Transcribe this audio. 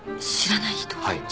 はい。